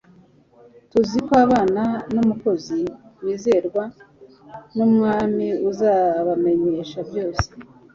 tuziko b abana n umukozi wizerwa nu mwami azabamenyesha byose